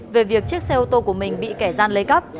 về việc chiếc xe ô tô của mình bị kẻ gian lấy cắp